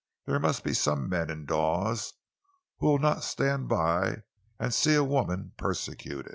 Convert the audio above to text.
There must be some men in Dawes who will not stand by and see a woman persecuted!"